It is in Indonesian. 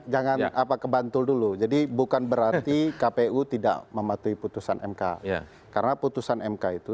jangan kebantul dulu jadi bukan berarti kpu tidak mematuhi putusan mk karena putusan mk itu